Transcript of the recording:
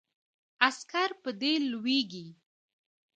عسکر په دې لویږي.